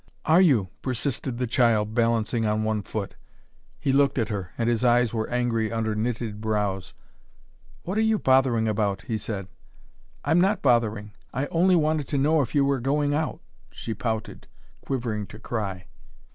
"Are you?" persisted the child, balancing on one foot. He looked at her, and his eyes were angry under knitted brows. "What are you bothering about?" he said. "I'm not bothering I only wanted to know if you were going out," she pouted, quivering to cry.